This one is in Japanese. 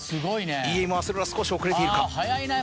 ＥＭ・あせろら少し遅れているか。